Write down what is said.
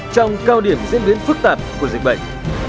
trong cao điểm diễn biến phức tạp của dịch bệnh